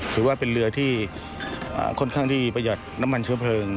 ถือว่าเป็นเรือที่ค่อนข้างที่ประหยัดน้ำมันเชื้อเพลิง